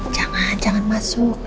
jangan jangan masuk